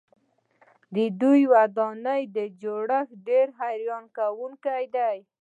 د دې ودانۍ جوړښت ډېر حیرانوونکی دی.